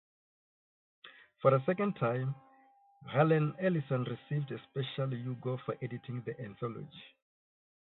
For a second time, Harlan Ellison received a special Hugo for editing the anthology.